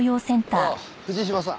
あっ藤島さん。